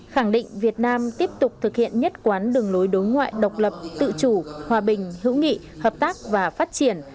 khẳng định việt nam tiếp tục thực hiện nhất quán đường lối đối ngoại độc lập tự chủ hòa bình hữu nghị hợp tác và phát triển